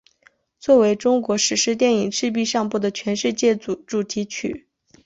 作为中国史诗电影赤壁上部的全世界主题曲。